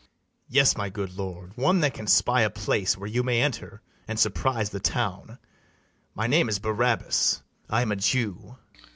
BARABAS. Yes, my good lord, one that can spy a place Where you may enter, and surprize the town: My name is Barabas; I am a Jew.